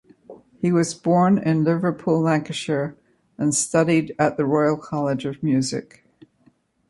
He was born in Liverpool, Lancashire, and studied at the Royal College of Music.